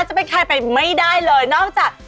จะเป็นใครไปไม่ได้เลยนอกจาก